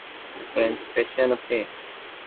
বইপত্রে এ রকম গাছের কোনো রেফারেন্স পেয়েছেন?